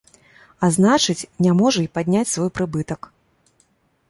А значыць, не можа і падняць свой прыбытак.